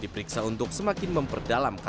diperiksa untuk semakin memperdalamkan